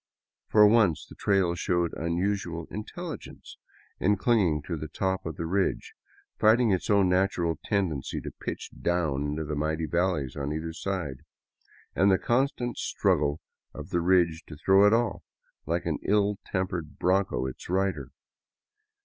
For once the trail showed unusual intelligence in clinging to the top of the ridge, fighting its own natural tendency to pitch down into the mighty valleys on either side, and the constant struggle of the ridge to throw it off, like an ill tempered bronco its fider.